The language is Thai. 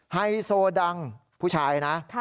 ไฮโซดังผู้ชายนะ